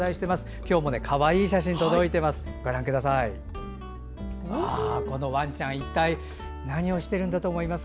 今日もかわいい写真が届いています。